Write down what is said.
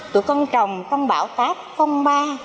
tụi con trồng con bão táp con ba